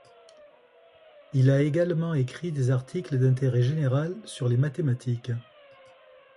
Il a également écrit des articles d'intérêt général sur les mathématiques.